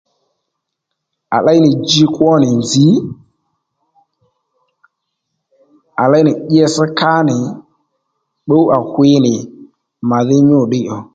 À léy nì ji kwó nì nzǐ à léy nì itss ká nì pbǔ à hwi nì màdhí nyû ddiy ò